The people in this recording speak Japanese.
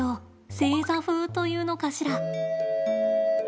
正座風というのかしら？